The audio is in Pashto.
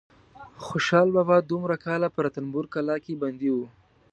خوشحال بابا دومره کاله په رنتبور کلا کې بندي و.